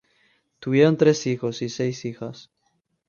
Tuvieron tres hijos y seis hijas.